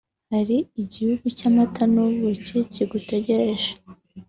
hari igihugu cy'amata n'ubuki kigutegereje